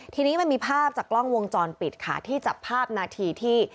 ทีนี้มันมีภาพจากกล้องวงจรปิดค่ะที่จับภาพนาทีที่